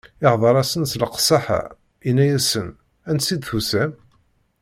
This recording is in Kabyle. Ihdeṛ-asen s leqsaḥa, inna-asen: Ansi i d-tusam?